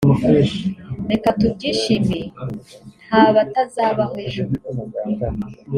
Reka tubyishimire ntabatazabaho ejo